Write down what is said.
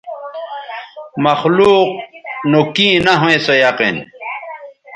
مخلوق نو کیں نہ ھویں سو یقین